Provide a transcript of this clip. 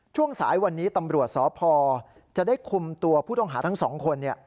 ช่วงสายวันนี้ตำรวจสพจะได้คุมตัวผู้ต้องหาทั้งสองคน